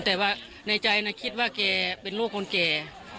แต่ว่าในใจนะคิดว่าแกเป็นลูกคนแก่